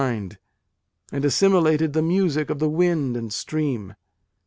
mind, and assimilated the music of the wind and stream.